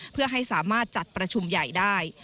เพื่อให้สามารถจัดประชุมใหญ่ได้